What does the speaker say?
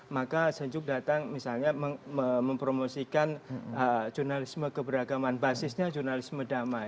maka senjuk datang misalnya mempromosikan jurnalisme keberagaman basisnya jurnalisme damai